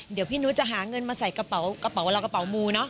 เดี๋ยวพี่นุ๊ตจะหาเงินมาใส่กระเป๋าเรากระเป๋ามูนะ